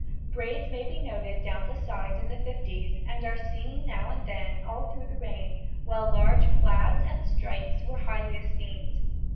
Braids may be noted down the sides in the fifties, and are seen now and then all through the reign, while large plaids and stripes were highly esteemed.